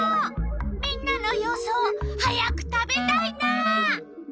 みんなの予想早く食べたいな。